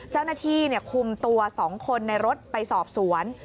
เจ้าหน้าที่คุมตัว๒คนในรถไปสอบสวน